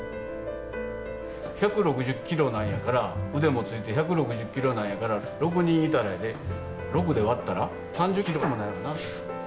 １６０キロなんやから腕もついて１６０キロなんやから６人いたらやで６で割ったら３０キロもないわな。